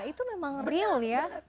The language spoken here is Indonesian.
itu memang real ya